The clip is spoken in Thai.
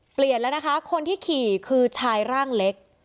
เปลี่ยนแล้วนะคะคนที่ขี่คือชายร่างเล็ก